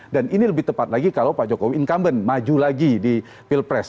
dan ini lebih tepat lagi kalau pak jokowi incumbent maju lagi di pilpres